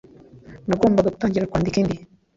nagombaga gutangira kwandika indi